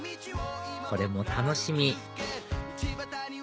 これも楽しみ！